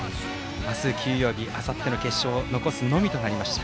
明日、休養日、あさっての決勝を残すのみとなりました。